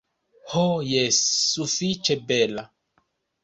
Ho jes, sufiĉe bela.